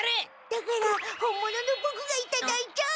だから本物のボクがいただいちゃう！